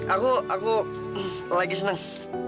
aku aku lagi seneng